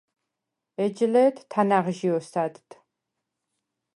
ეჯ ლე̄თ თანა̈ღჟი ოსა̈დდ.